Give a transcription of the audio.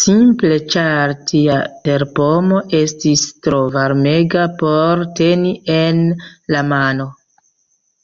Simple ĉar tia terpomo estis tro varmega por teni en la mano!